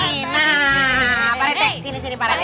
nah pak rete sini sini pak rete